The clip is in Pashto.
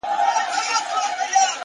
هره هڅه بې پایلې نه وي!